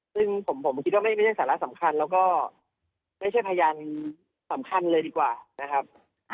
ซึ่งผมคิดว่าไม่ใช่สาระสำคัญแล้วก็ไม่ใช่พยานสำคัญเลยดีกว่านะครับ